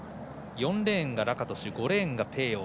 ４レーン、ラカトシュ５レーンがペーヨー